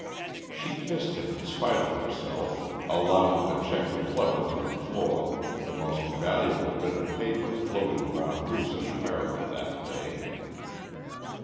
She kissed him in spite of himself, allowing the cheque to flutter to the floor, the most valuable bit of paper floating around loose in America that day.